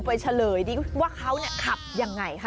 ไปเฉลยดิว่าเค้าเนี่ยขับยังไงค่ะ